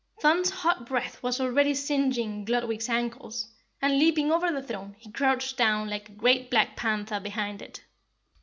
Thun's hot breath was already singeing Gludwig's ankles, and, leaping over the throne, he crouched down like a great black panther behind it.